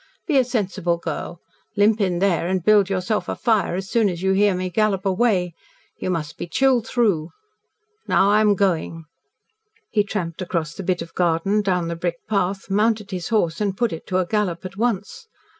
Be a sensible girl. Limp in there and build yourself a fire as soon as you hear me gallop away. You must be chilled through. Now I am going." He tramped across the bit of garden, down the brick path, mounted his horse and put it to a gallop at once.